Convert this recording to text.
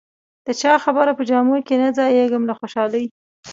د چا خبره په جامو کې نه ځایېږم له خوشالۍ.